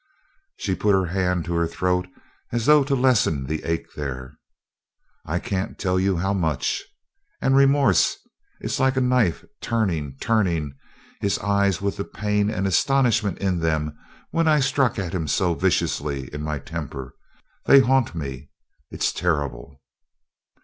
She put her hand to her throat as though to lessen the ache there. "I can't tell you how much. And remorse it's like a knife turning, turning his eyes with the pain and astonishment in them when I struck at him so viciously in my temper; they haunt me. It's terrible."